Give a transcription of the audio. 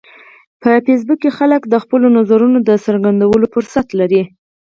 په فېسبوک کې خلک د خپلو نظرونو د څرګندولو فرصت لري